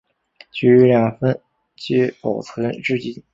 其余两份皆保存至今。